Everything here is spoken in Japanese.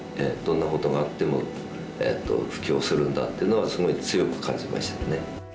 どんなことがあっても普及するんだっていうのはすごい強く感じましたね。